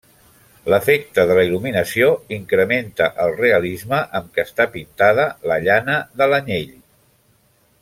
L’efecte de la il·luminació incrementa el realisme amb què està pintada la llana de l’anyell.